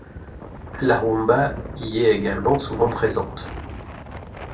La rumba y est également souvent présente.